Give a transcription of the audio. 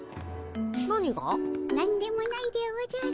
何でもないでおじゃる。